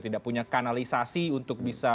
tidak punya kanalisasi untuk bisa